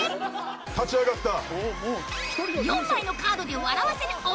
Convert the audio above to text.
立ち上がった。